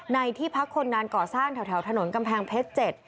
ที่พักคนงานก่อสร้างแถวถนนกำแพงเพชร๗